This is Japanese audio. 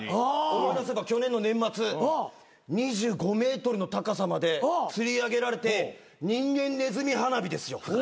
思い出せば去年の年末２５ｍの高さまでつり上げられて人間ねずみ花火ですよ。